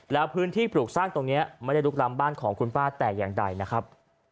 แล้วพื้นที่ปลูกสร้างตรงนี้ไม่ได้ลุกล้ำบ้านของคุณป้าแต่อย่างใดนะครับ